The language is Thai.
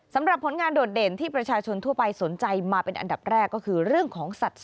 สำหรับผลงานโดดเด่นที่ประชาชนทั่วไปสนใจมาเป็นอันดับแรก